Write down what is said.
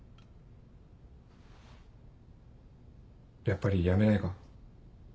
やっぱりやめないか？